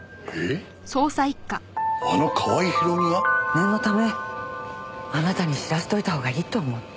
念のためあなたに知らせといたほうがいいと思って。